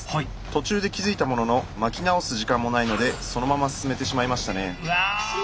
途中で気付いたものの巻き直す時間もないのでそのまま進めてしまいましたね。